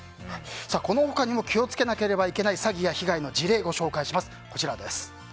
この他にも気を付けなければいけない詐欺の事例をご紹介します。